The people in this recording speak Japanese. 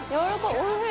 おいしい！